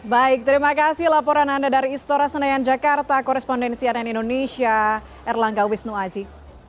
baik terima kasih laporan anda dari istora senayan jakarta korespondensi ann indonesia erlangga wisnu aji